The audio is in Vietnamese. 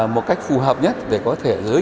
một cách phù hợp nhất để có thể